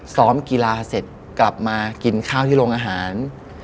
ซ้อมกีฬาเสร็จกลับมากินข้าวที่โรงอาหาร